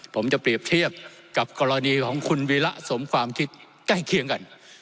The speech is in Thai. ผมจะเปรียบเทียบกับกรณีของคุณวีระสมความคิดใกล้เคียงกัน